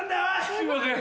すいません。